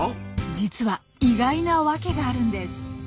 実は意外なワケがあるんです。